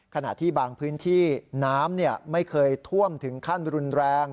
ขณะที่บางพื้นที่น้ำไม่เคยท่วมถึงขั้นรุนแรง